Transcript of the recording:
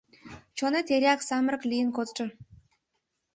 — Чонет эреак самырык лийын кодшо.